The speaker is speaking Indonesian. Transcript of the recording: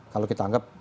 kalau kita anggap